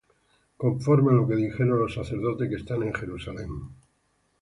conforme á lo que dijeren los sacerdotes que están en Jerusalem